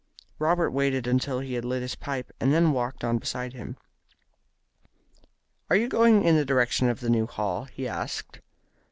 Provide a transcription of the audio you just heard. Robert waited until he had lit his pipe, and then walked on beside him. "Are you going in the direction of the new Hall?" he asked.